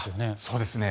そうですね。